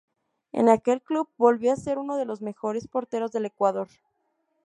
En aquel club volvió a ser uno de los mejores porteros del Ecuador.